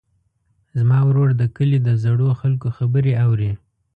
زما ورور د کلي د زړو خلکو خبرې اوري.